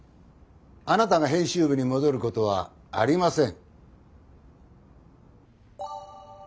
あなたが編集部に戻ることはありません。